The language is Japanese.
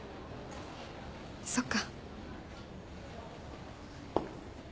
そっか。